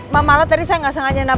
tiga tahun tericano